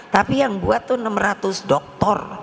tapi yang buat itu enam ratus dokter